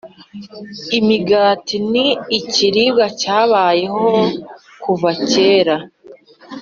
Imigati ni ikiribwa cyabayeho kuva kera